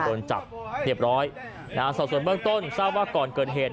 โดนจับเรียบร้อยนะฮะสอบส่วนเบื้องต้นทราบว่าก่อนเกิดเหตุ